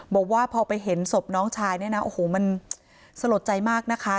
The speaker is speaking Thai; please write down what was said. บอกว่าพอไปเห็นศพน้องชายเนี่ยนะโอ้โหมันสลดใจมากนะคะ